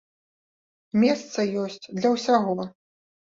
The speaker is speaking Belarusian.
Месца ёсць для ўсяго.